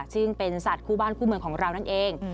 ซึ่งเป็นสัตว์คู่บ้านคู่เมืองของเรานั่นเอง